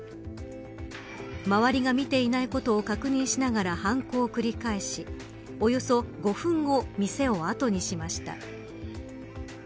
周りが見ていないことを確認しながら犯行を繰り返しおよそ５分後店を後にしました。